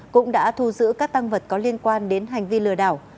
cũng đã thu giữ các tăng vật có liên quan đến hành vi lừa đảo